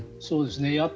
そうですね。